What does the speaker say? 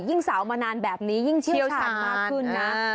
สาวมานานแบบนี้ยิ่งเชี่ยวชาญมากขึ้นนะ